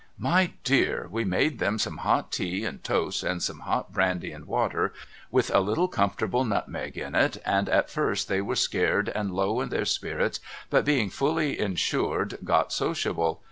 ' My dear we made them some hot tea and toast and some hot brandy and water with a little comfortable nutmeg in it, and at first they were scared and low in their spirits but being fully insured got sociable.